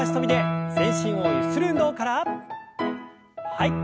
はい。